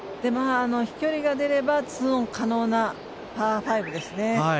飛距離が出れば２オン可能なパー５ですね。